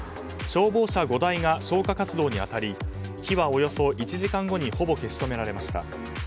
消防車５台が消火活動に当たり火はおよそ１時間後にほぼ消し止められました。